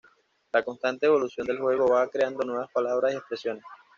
La constante evolución del juego va creando nuevas palabras y expresiones.